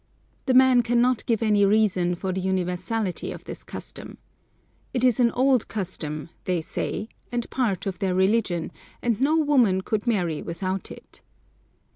The men cannot give any reason for the universality of this custom. It is an old custom, they say, and part of their religion, and no woman could marry without it.